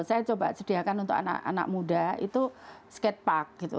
saya coba sediakan untuk anak anak muda itu skatepark gitu